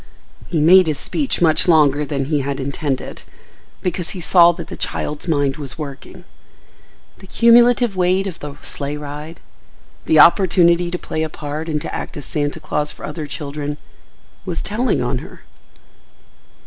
He had made his speech much longer than he had intended, because he saw that the child's mind was working; the cumulative weight of the sleigh ride, the opportunity to play a part and to act as Santa Claus for other children, was telling on her.